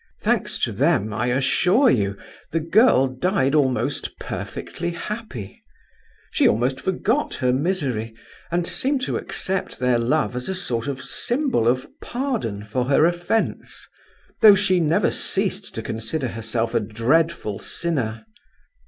Thanks to them, I assure you, the girl died almost perfectly happy. She almost forgot her misery, and seemed to accept their love as a sort of symbol of pardon for her offence, though she never ceased to consider herself a dreadful sinner.